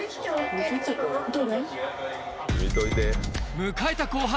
迎えた後半。